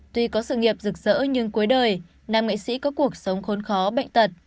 tuy có sự nghiệp rực rỡ nhưng cuối đời nam nghệ sĩ có cuộc sống khốn khó bệnh tật